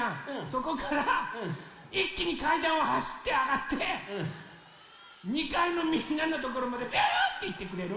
そこからいっきにかいだんをはしってあがって２かいのみんなのとこまでビューッといってくれる？